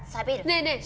ねえねえ！